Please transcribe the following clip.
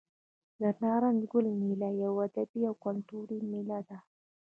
د نارنج ګل میله یوه ادبي او کلتوري میله ده.